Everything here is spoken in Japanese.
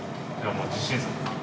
もう自信作